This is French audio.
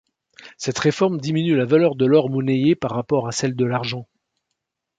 Cette réforme diminue la valeur de l'or monnayé par rapport à celle de l'argent.